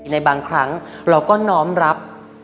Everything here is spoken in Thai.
ในบางครั้งเราก็น้อมรับ